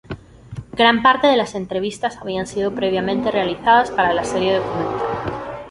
Gran parte de las entrevistas habían sido previamente realizadas para la serie documental.